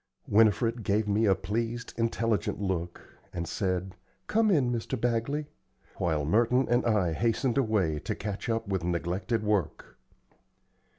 Winifred gave me a pleased, intelligent look, and said, "Come in, Mr. Bagley;" while Merton and I hastened away to catch up with neglected work.